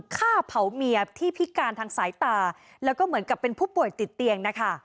ฆ่าเผาเมียที่พิการทางสายตาแล้วก็เหมือนกับเป็นผู้ป่วยติดเตียงนะคะ